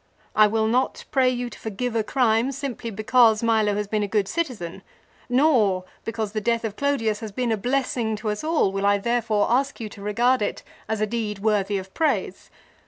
I will not pray you to forgive a crime simply because Milo has been a good citizen ; nor, because the death of Clodius has been a blessing to us all will I therefore ask you to regard it as a deed worthy of praise.